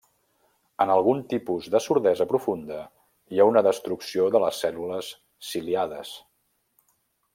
En alguns tipus de sordesa profunda, hi ha una destrucció de les cèl·lules ciliades.